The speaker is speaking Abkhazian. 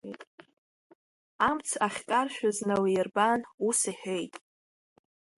Амҵ ахькаршәыз налирбан, ус иҳәеит…